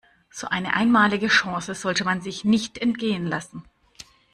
So eine einmalige Chance sollte man sich nicht entgehen lassen.